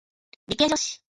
理系女性